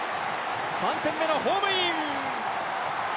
３点目のホームイン。